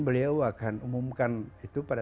beliau akan umumkan itu pada